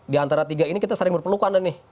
di antara tiga ini kita sering berpelukan nih